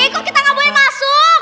kok kita gak boleh masuk